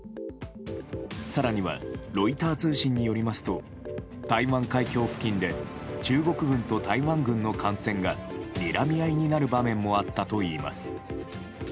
更にはロイター通信によりますと台湾海峡付近で中国軍と台湾軍の艦船がにらみ合いになる場面もあったといいます。